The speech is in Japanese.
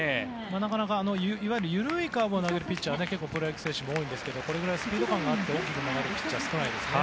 なかなかいわゆる緩いカーブを投げるピッチャープロ野球選手で多いんですがこれくらいスピード感があって大きく曲がるピッチャーは少ないですね。